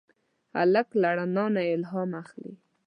هلک له رڼا نه الهام اخلي.